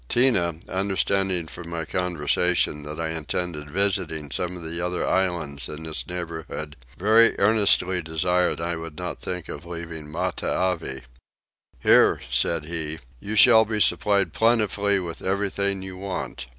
Tinah, understanding from my conversation that I intended visiting some of the other islands in this neighbourhood, very earnestly desired I would not think of leaving Matavai. "Here," said he, "you shall be supplied plentifully with everything you want.